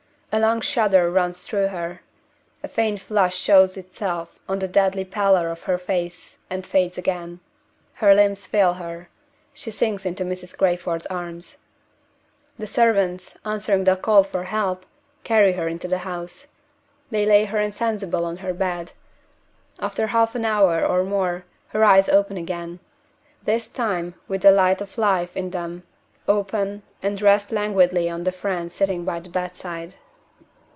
A long shudder runs through her. A faint flush shows itself on the deadly pallor of her face, and fades again. Her limbs fail her. She sinks into Mrs. Crayford's arms. The servants, answering the call for help, carry her into the house. They lay her insensible on her bed. After half an hour or more, her eyes open again this time with the light of life in them open, and rest languidly on the friend sitting by the bedside.